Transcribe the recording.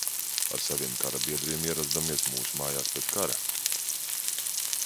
Ar saviem kara biedriem ierazdamies mūsu mājās pēc kara.